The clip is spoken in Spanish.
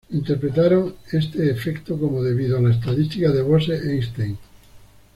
Interpretaron este efecto como debido a la estadística de Bose–Einstein.